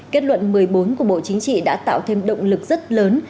kết luận một mươi bốn của bộ chính trị đã tạo thêm động lực rất lớn